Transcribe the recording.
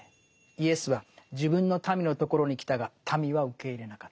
「イエスは自分の民の所に来たが民は受け入れなかった」。